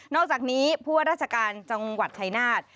อกจากนี้ผู้ว่าราชการจังหวัดชายนาฏ